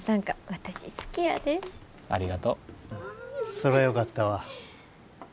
そらよかったわ。